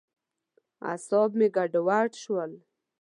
اعصاب مې ګډوډ شول.